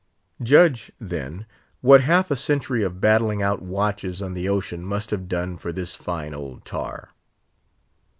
Judge, then, what half a century of battling out watches on the ocean must have done for this fine old tar.